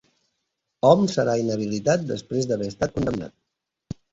Homs serà inhabilitat després d'haver estat condemnat